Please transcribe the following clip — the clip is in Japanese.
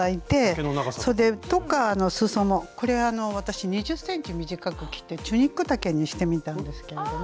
そでとかすそのこれは私２０ｃｍ短く切ってチュニック丈にしてみたんですけれども。